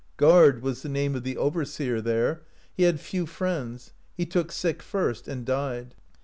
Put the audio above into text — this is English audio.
Gard was the name of the overseer there; he had few friends; he took sick first and died.